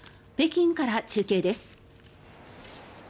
北京から中継です。